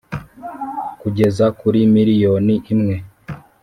kugeza kuri miliyoni imwe